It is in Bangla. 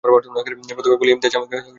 প্রথম বলেই ইমতিয়াজ আহমেদকে বোল্ড করেন।